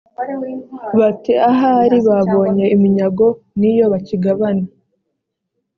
bati ahari babonye iminyago ni yo bakigabana